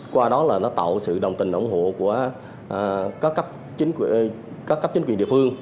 qua đó là nó tạo sự đồng tình ủng hộ của các cấp chính quyền địa phương